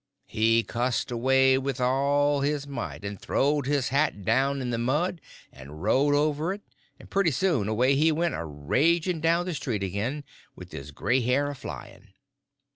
He cussed away with all his might, and throwed his hat down in the mud and rode over it, and pretty soon away he went a raging down the street again, with his gray hair a flying.